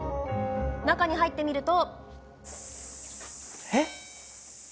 中に入ってみると。